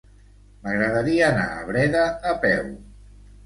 M'agradaria anar a Breda a peu.